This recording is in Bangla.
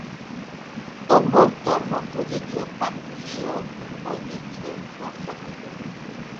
অভ্যন্তর মধ্যযুগীয় প্রাচ্যীয় ঐতিহ্যে নকশাকৃত।